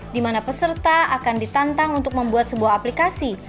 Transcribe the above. di mana peserta akan ditantang untuk membuat sebuah aplikasi